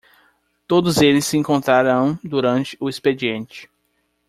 Todos eles se encontraram durante o expediente.